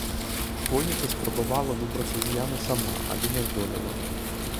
Школьніца спрабавала выбрацца з ямы сама, але не здолела.